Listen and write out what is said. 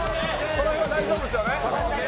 この辺は大丈夫ですよね？